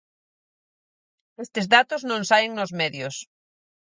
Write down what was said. Estes datos non saen nos medios.